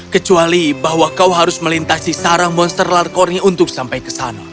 kecuali bahwa kau harus melintasi sarang monster larkornya untuk sampai ke sana